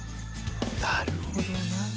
なるほどな。